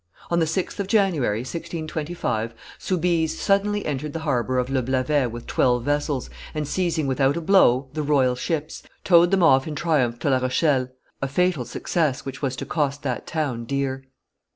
On the 6th of January, 1625, Soubise suddenly entered the harbor of Le Blavet with twelve vessels, and seizing without a blow the royal ships, towed them off in triumph to La Rochelle a fatal success, which was to cost that town dear.